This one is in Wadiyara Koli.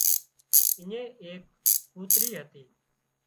اڃين ايڪ ڪوترِي هتي